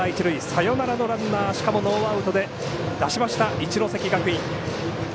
サヨナラのランナーしかもノーアウトで出しました一関学院。